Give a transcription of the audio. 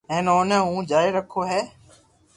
ھين اوني ھو جاري رکو ھي